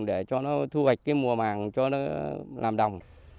để cho nó thu hoạch cái mùa màng cho nó làm đồng